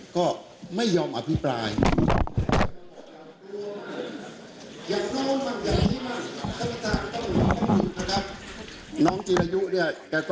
ก็ไม่ยอมอภิปราย